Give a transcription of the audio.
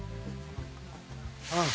うん。